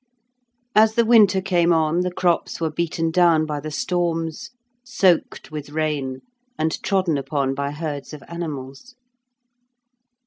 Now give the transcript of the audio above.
As the winter came on, the crops were beaten down by the storms, soaked with rain, and trodden upon by herds of animals.